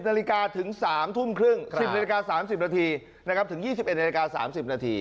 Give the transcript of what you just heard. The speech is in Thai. นาฬิกาถึง๓ทุ่มครึ่ง๑๐นาฬิกา๓๐นาทีนะครับถึง๒๑นาฬิกา๓๐นาที